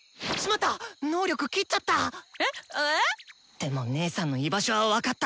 でも姐さんの居場所は分かった！